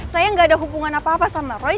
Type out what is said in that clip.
saya gak ada hubungan apa apa sama roy